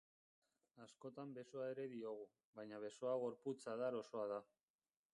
Askotan besoa ere diogu, baina besoa gorputz-adar osoa da.